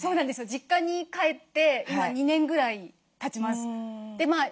実家に帰って今２年ぐらいたちます。